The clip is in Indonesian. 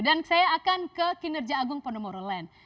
dan saya akan ke kinerja agung podomoro land